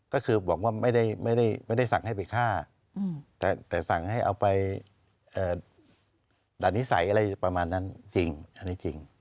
ก็คือบอกว่าไม่ได้สั่งให้ไปฆ่าแต่สั่งให้เอาไปด่านนิสัยอะไรประมาณนั้นจริงอันนี้จริง